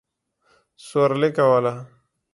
سورلي کوله.